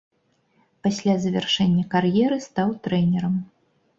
Пасля завяршэння кар'еры стаў трэнерам.